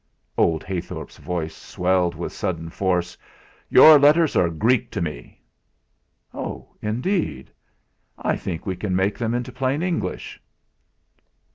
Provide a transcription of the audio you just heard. Old Heythorp's voice swelled with sudden force: "Your letters are Greek to me." "Oh! indeed, I think we can soon make them into plain English!"